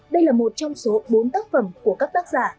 đây là một trong số bốn tác phẩm của các tác giả